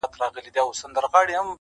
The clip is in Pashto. څوک به پوه سي چي له چا به ګیله من یې؟٫